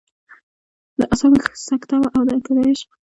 د اعصابو سکته وه او که د عشق.